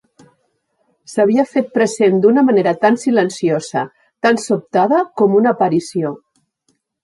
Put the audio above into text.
S'havia fet present d'una manera tan silenciosa, tan sobtada, com una aparició.